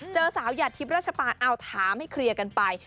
เจอสาวหยาดทิพย์ราชปานเอาถามให้เคลียร์กันไป